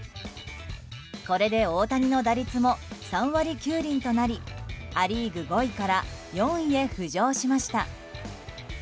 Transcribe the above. これで大谷の打率も３割９厘となりア・リーグ５位から４位へ浮上しました。